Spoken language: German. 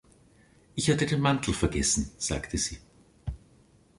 „Ich hatte den Mantel vergessen“, sagte sie.